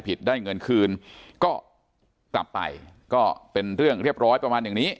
ได้เงินคืนก็กลับไปก็เป็นเรื่องเรียบร้อยประมาณอย่างนี้